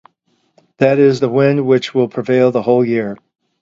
That is the wind which will prevail the whole year.